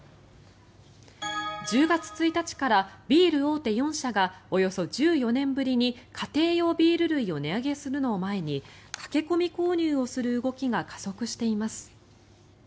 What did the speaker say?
１０月１日からビール大手４社がおよそ１４年ぶりに家庭用ビール類を値上げするのを前に駆け込み購入をする動きが加速しています。